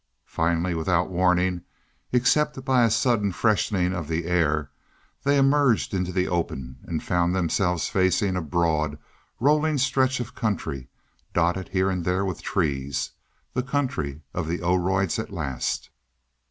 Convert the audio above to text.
Finally without warning, except by a sudden freshening of the air, they emerged into the open, and found themselves facing a broad, rolling stretch of country, dotted here and there with trees the country of the Oroids at last.